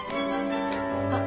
あっ。